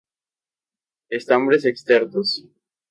Estambres exertos.